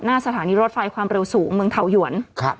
สถานีรถไฟความเร็วสูงเมืองเถาหยวน